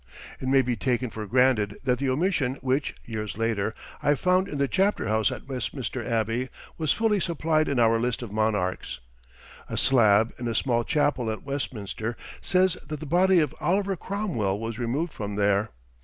] It may be taken for granted that the omission which, years after, I found in the Chapter House at Westminster Abbey was fully supplied in our list of monarchs. A slab in a small chapel at Westminster says that the body of Oliver Cromwell was removed from there.